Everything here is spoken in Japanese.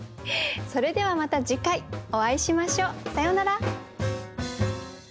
それではまた次回お会いしましょう。さようなら。